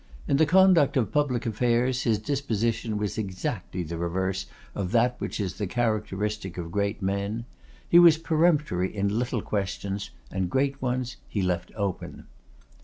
In the conduct of public affairs his disposition was exactly the reverse of that which is the characteristic of great men. He was peremptory in little questions, and great ones he left open.